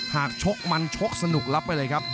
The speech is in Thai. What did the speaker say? หากชกมันโชคสนุกลับไปเลยครับ